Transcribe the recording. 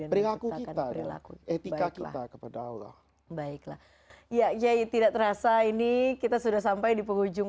berlaku berlaku etika kita kepada allah baiklah ya ya tidak terasa ini kita sudah sampai di penghujung